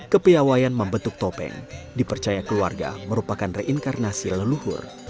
kepiawayan membentuk topeng dipercaya keluarga merupakan reinkarnasi leluhur